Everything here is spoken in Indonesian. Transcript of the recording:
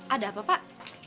ada apa pak